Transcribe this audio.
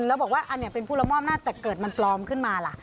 แล้วบอกว่าอันนี้เป็นผู้ละมอบหน้าแต่เกิดมันปลอมขึ้นมาล่ะ